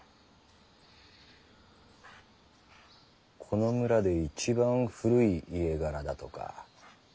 この村で一番古い家柄だとか。